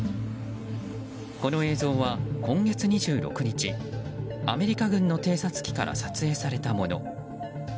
この映像は、今月２６日アメリカ軍の偵察機から撮影されたもの。